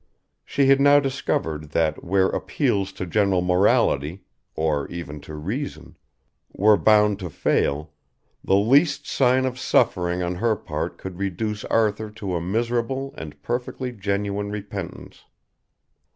She had now discovered that where appeals to general morality, or even to reason, were bound to fail, the least sign of suffering on her part could reduce Arthur to a miserable and perfectly genuine repentance.